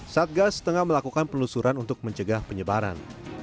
satgas tengah melakukan penelusuran untuk mencegah penyebaran